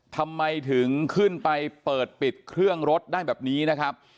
ทำไมถึงขึ้นไปเปิดปิดเครื่องรถได้แบบนี้นะครับ